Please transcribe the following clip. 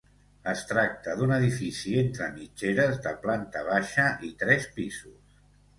Es tracta d'un edifici entre mitgeres de planta baixa i tres pisos.